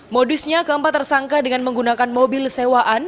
modusnya keempat tersangka dengan menggunakan mobil sewaan